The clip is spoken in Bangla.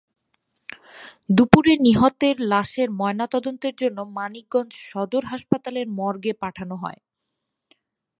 দুপুরে নিহতের লাশের ময়নাতদন্তের জন্য মানিকগঞ্জ সদর হাসপাতালের মর্গে পাঠানো হয়।